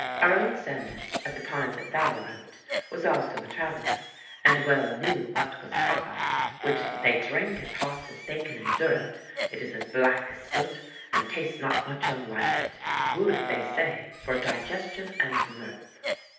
Our own Sandys, at the time that Valle wrote, was also "a traveller," and well knew what was "Coffa," which "they drank as hot as they can endure it; it is as black as soot, and tastes not much unlike it; good they say for digestion and mirth."